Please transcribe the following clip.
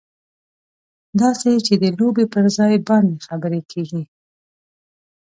داسې چې د لوبې پر ځای باندې خبرې کېږي.